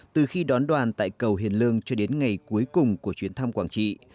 từ khi đón đoàn tại cầu hiền lương cho đến ngày cuối cùng của chuyến thăm quảng trị